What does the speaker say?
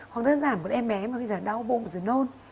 hoặc đơn giản một em bé mà bây giờ đau bụng rồi nôn